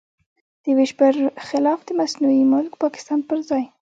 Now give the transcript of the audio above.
د وېش پر خلاف د مصنوعي ملک پاکستان پر ځای.